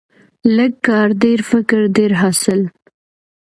لږ کار، ډیر فکر، ډیر حاصل.